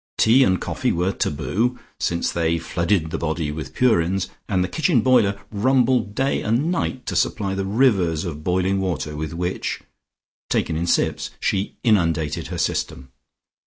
Tea and coffee were taboo, since they flooded the blood with purins, and the kitchen boiler rumbled day and night to supply the rivers of boiling water with which (taken in sips) she inundated her system.